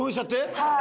はい。